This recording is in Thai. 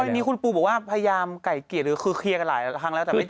อันนี้คุณปูบอกว่าพยายามไก่เกลียดหรือคือเคลียร์กันหลายครั้งแล้วแต่ไม่เจอ